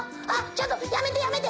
ちょっと⁉やめてやめて！